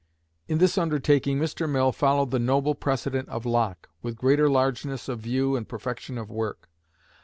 In this undertaking Mr. Mill followed the noble precedent of Locke, with greater largeness of view and perfection of work.